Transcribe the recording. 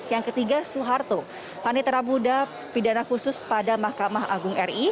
yang ketiga suharto panitra budha pidana khusus pada mahkamah agung ri